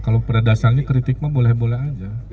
kalau berdasarnya kritik mah boleh boleh aja